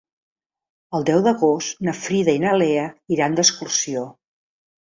El deu d'agost na Frida i na Lea iran d'excursió.